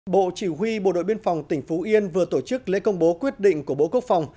bộ chỉ huy bộ đội biên phòng tỉnh phú yên vừa tổ chức lễ công bố quyết định của bộ quốc phòng